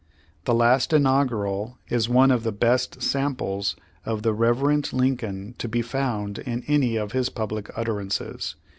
The last inaugural is one of the best samples of the reverent Lincoln to be found in any of his public utterances.